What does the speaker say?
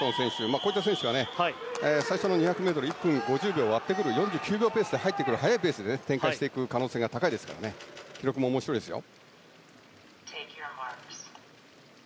こういった選手が最初の２００ｍ１分５０秒を割ってくる４９秒ペースで入ってくる速いペースで展開してくる可能性もありますから記録も面白いですよ。